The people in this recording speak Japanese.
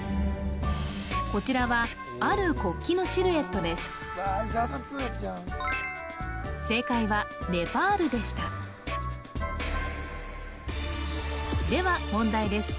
こちらはある国旗のシルエットですでは問題です